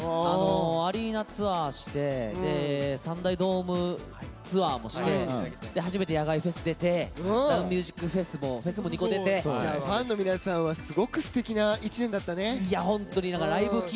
アリーナツアーして３大ドームツアーもして初めて野外フェス出てミュージックフェスも２個出てファンの皆さんはすごくすてきな１年だったね。